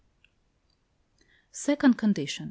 Second condition.